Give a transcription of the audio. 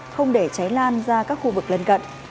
không để cháy lan ra các khu vực lân cận